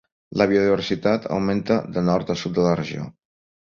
La biodiversitat augmenta de nord a sud de la regió.